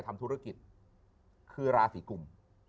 ทำธุรกิจคือราศีกลุ่ม